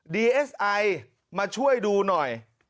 เอสไอมาช่วยดูหน่อย